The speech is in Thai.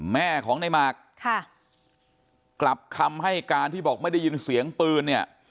แม่ของในหมากค่ะกลับคำให้การที่บอกไม่ได้ยินเสียงปืนเนี่ย